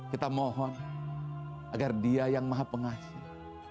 kita mohon agar dia yang maha pengasih